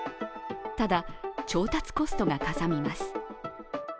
ただ、調達コストがかさみます。